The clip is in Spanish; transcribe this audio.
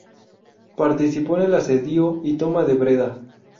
Participó en el asedio y toma de Breda.